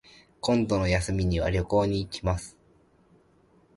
今度の休みには旅行に行きます